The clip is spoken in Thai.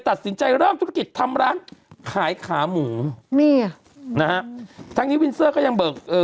ตัดสินใจเริ่มธุรกิจทำร้านขายขาหมูนี่ไงนะฮะทั้งนี้วินเซอร์ก็ยังเบิกเอ่อ